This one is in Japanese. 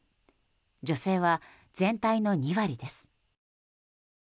女性は全体の２割です。